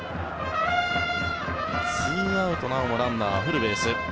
２アウトなおもランナーフルベース。